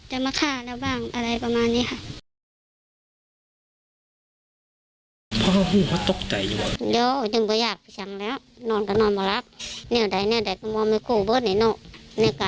หนูก็กลัวค่ะกลัวเขาแบบจะมาฆ่าเราบ้างอะไรประมาณนี้ค่ะ